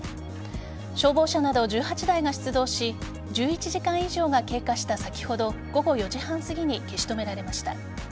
消防車など１８台が出動し１１時間以上が経過した先ほど午後４時半すぎに消し止められました。